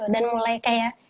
dan mulai kayak